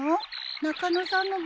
中野さんの分は？